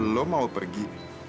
lo mau pergi